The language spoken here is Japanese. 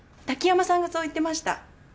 滝山さんがそう言ってました。